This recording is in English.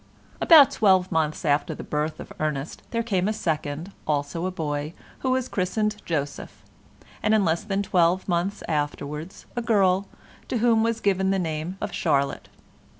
About twelve months after the birth of Ernest there came a second, also a boy, who was christened Joseph, and in less than twelve months afterwards, a girl, to whom was given the name of Charlotte.